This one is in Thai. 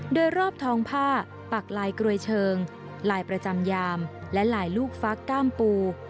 โดยรอบทองผ้าปักลายกรวยเชิงลายประจำยามและลายลูกฟักก้ามปู